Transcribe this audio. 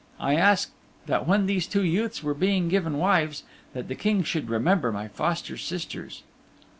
I asked that when these two youths were being given wives, that the King should remember my foster sisters.